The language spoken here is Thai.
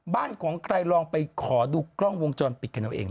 บ้านของใครลองไปขอดูกล้องวงจรปิดกันเอาเอง